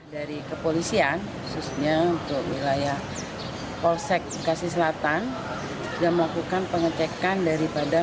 dari kepolisian khususnya untuk wilayah polsek bekasi selatan dan melakukan pengecekan daripada